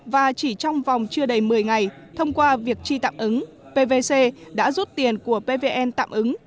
và chỉ trong vòng chưa đầy một mươi ngày thông qua việc chi tạm ứng pvc đã rút tiền của pvn tạm ứng